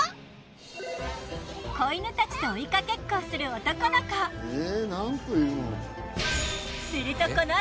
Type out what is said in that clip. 子犬たちと追いかけっこをする男の子。